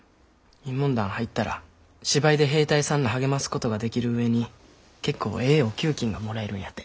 慰問団入ったら芝居で兵隊さんら励ますことができる上に結構ええお給金が貰えるんやて。